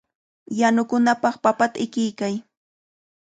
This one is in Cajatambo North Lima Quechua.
Yanukunapaq papata ikiykay.